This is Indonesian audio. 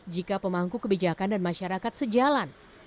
jika pemangku kebijakan dan masyarakat sejalan